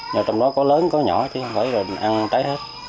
nhưng trong đó có lớn có nhỏ chứ không phải là ăn tới hết